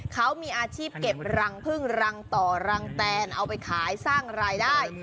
เขามีอาชีพเก็บรังพึ่งรังต่อรังแตนเอาไปขายสร้างรายได้